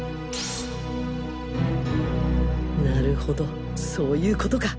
なるほどそういうことか。